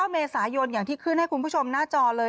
เมษายนอย่างที่ขึ้นให้คุณผู้ชมหน้าจอเลย